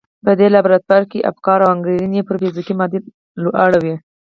په دې لابراتوار کې افکار او انګېرنې پر فزيکي معادل اوړي.